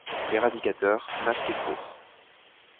L'éradicateur masqué court.